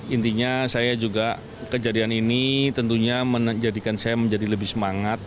intinya saya juga kejadian ini tentunya menjadikan saya menjadi lebih semangat